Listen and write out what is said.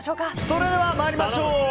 それでは、参りましょう。